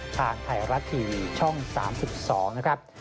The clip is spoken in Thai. ทางไทยรัฐทีวีช่อง๓๒นะครับ